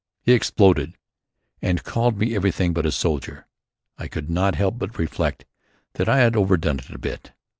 He exploded. And called me everything but a soldier. I could not help but reflect that I had overdone it a bit.